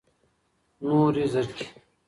نوري زرکي